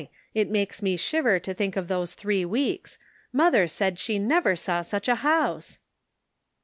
It makes me shiver to think of those three weeks. Mother said she never saw such a house."